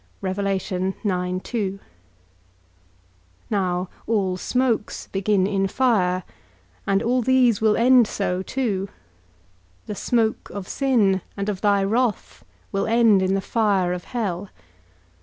Now all smokes begin in fire, and all these will end so too: the smoke of sin and of thy wrath will end in the fire of hell.